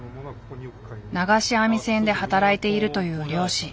流し網船で働いているという漁師。